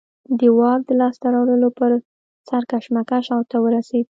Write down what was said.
د واک د لاسته راوړلو پر سر کشمکش اوج ته ورسېد.